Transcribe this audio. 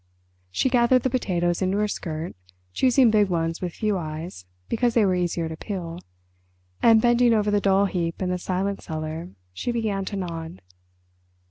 She gathered the potatoes into her skirt, choosing big ones with few eyes because they were easier to peel, and bending over the dull heap in the silent cellar, she began to nod.